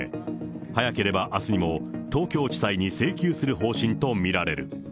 早ければあすにも東京地裁に請求する方針と見られる。